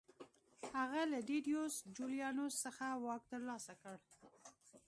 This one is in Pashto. هغه له ډیډیوس جولیانوس څخه واک ترلاسه کړ